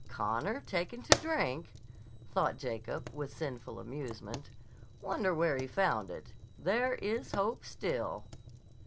Connor taken to drink?" thought Jacob with sinful amusement. "Wonder where he found it. There is hope, still!"